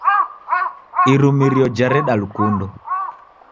Irumirio jareda lukundo